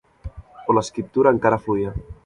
Però l'escriptura encara fluïa.